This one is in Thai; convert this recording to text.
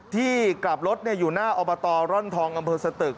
ที่กลับรถอยู่หน้าอบตร่อนทองอำเภอสตึก